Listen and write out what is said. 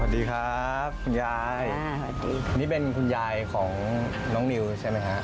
สวัสดีครับคุณยายนี่เป็นคุณยายของน้องนิวใช่ไหมฮะ